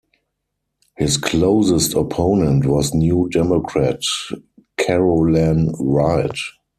His closest opponent was New Democrat Carolann Wright.